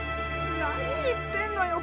何言ってんのよ！